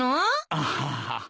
アハハ。